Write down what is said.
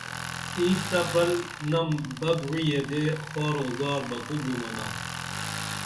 اینچ تہ پرل نم بک وعی یدے خوار او زار بہ کو بُمنا